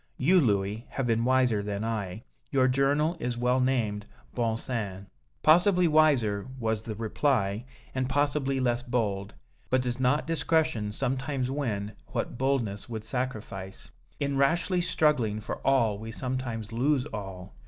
You, Louis, have been wiser than I. Your journal is well named 'Bon Sens.'" "Possibly wiser," was the reply, "and possibly less bold. But does not discretion sometimes win what boldness would sacrifice? In rashly struggling for all we sometimes lose all.